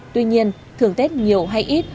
tuy nhiên thưởng tết nhiều hay ít